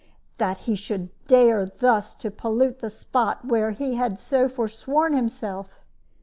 "That he should dare thus to pollute the spot where he had so forsworn himself!